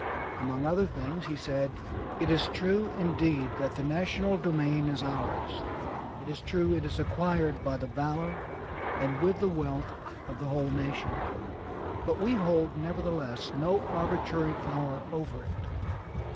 Among other things he said: "It is true, indeed, that the national domain is ours. It is true, it is acquired by the valor, and with the wealth of the whole nation. But we hold, nevertheless, no arbitrary power over it.